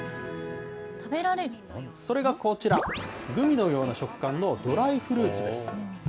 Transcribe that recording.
それがこちら、グミのような食感のドライフルーツです。